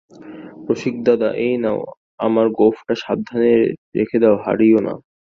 রসিকদাদা, এই নাও, আমার গোঁফটা সাবধানে রেখে দাও, হারিয়ো না।